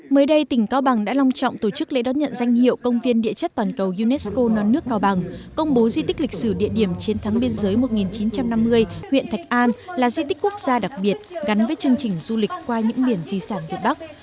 mới đây tỉnh cao bằng đã long trọng tổ chức lễ đón nhận danh hiệu công viên địa chất toàn cầu unesco non nước cao bằng công bố di tích lịch sử địa điểm chiến thắng biên giới một nghìn chín trăm năm mươi huyện thạch an là di tích quốc gia đặc biệt gắn với chương trình du lịch qua những biển di sản việt bắc